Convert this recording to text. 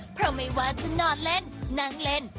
เพราะไม่ว่าจะนอนเล่นนั่งเล่น